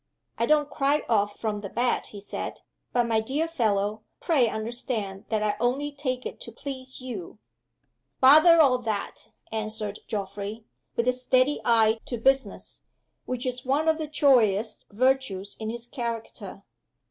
"I don't cry off from the bet," he said. "But, my dear fellow, pray understand that I only take it to please you." "Bother all that!" answered Geoffrey, with the steady eye to business, which was one of the choicest virtues in his character.